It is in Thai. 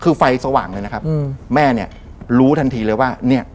คือไฟสว่างเลยนะครับอืมแม่เนี่ยรู้ทันทีเลยว่าเนี่ย